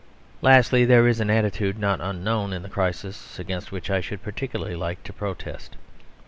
Lastly, there is an attitude not unknown in the crisis against which I should particularly like to protest.